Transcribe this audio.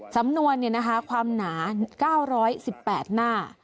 สำนวนความหนา๙๑๘หน้า